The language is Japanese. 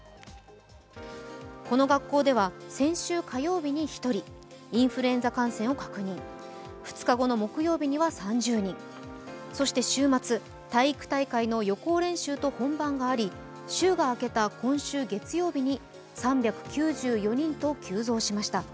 この学校では先週火曜日に１人、インフルエンザ感染を確認、２日後の木曜日には３０人、そして、週末、体育大会の予行練習と本番があり週が明けた今週月曜日に３９４人と急増しました。